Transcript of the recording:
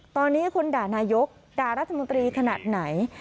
ตอนนี้คนด่านายกด่ารัฐมนตรีขนาดไหน